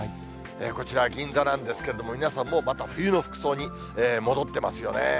こちら、銀座なんですけれども、皆さん、もうまた冬の服装に戻ってますよね。